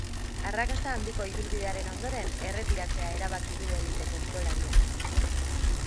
Arrakasta handiko ibilbidearen ondoren, erretiratzea erabaki du eliteko kirolariak.